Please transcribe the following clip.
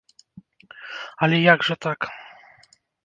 Але як жа так?